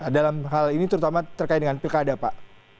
dalam hal ini terutama terkait dengan pilkada pak